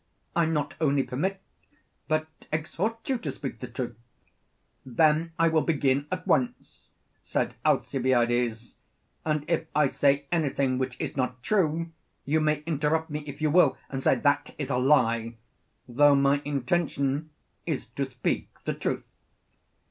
I not only permit, but exhort you to speak the truth. Then I will begin at once, said Alcibiades, and if I say anything which is not true, you may interrupt me if you will, and say 'that is a lie,' though my intention is to speak the truth.